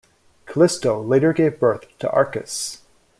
Callisto later gave birth to Arcas.